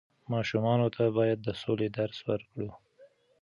ماشومانو ته بايد د سولې درس ورکړو.